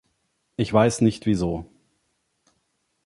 Ich weiß nicht wieso.